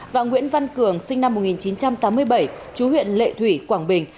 và nguyễn văn cường sinh năm một nghìn chín trăm tám mươi bảy chú huyện lệ thủy quảng bình